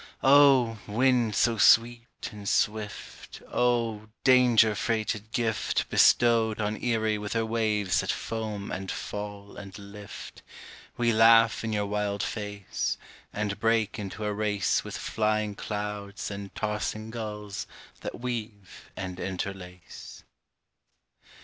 O! wind so sweet and swift, O! danger freighted gift Bestowed on Erie with her waves that foam and fall and lift, We laugh in your wild face, And break into a race With flying clouds and tossing gulls that weave and interlace.